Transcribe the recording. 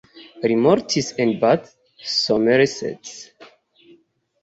Li mortis en Bath, Somerset.